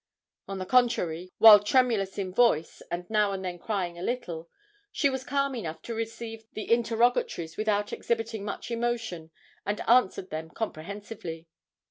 On the contrary, while tremulous in voice and now and then crying a little, she was calm enough to receive the interrogatories without exhibiting much emotion and answered them comprehensively.